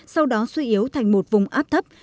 sau đó suy yếu thành một vùng áp thấp